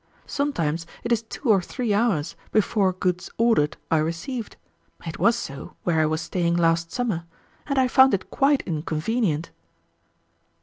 Sometimes it is two or three hours before goods ordered are received. It was so where I was staying last summer, and I found it quite inconvenient."